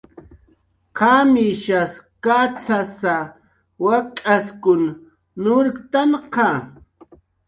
¿Qamishas kacxasa, wak'askun nurktnqa?